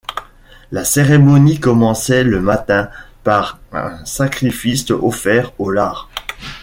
La cérémonie commençait le matin par un sacrifice offert aux Lares.